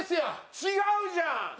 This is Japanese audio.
違うじゃん！